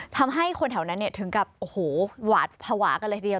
ทำให้คนแถวนั้นถึงกับโอ้โหหวาดภาวะกันเลยทีเดียว